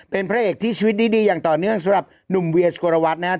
เป็นพระเอกที่ชีวิตดีอย่างต่อเนื่องสำหรับหนุ่มเวียสกลวัตรนะครับ